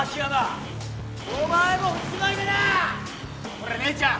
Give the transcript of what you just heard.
おら姉ちゃん。